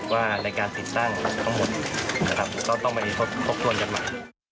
ว่าในการติดตั้งทั้งหมดก็ต้องมาทบชวนกันมา